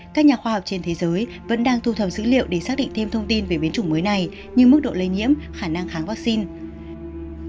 các nhà khoa học trên thế giới vẫn đang thu thập dữ liệu để xác định thêm thông tin về biến chủng mới này như mức độ lây nhiễm khả năng kháng vaccine